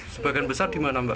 sebagian besar di mana mbak